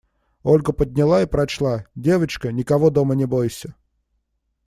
Ольга подняла и прочла: «Девочка, никого дома не бойся.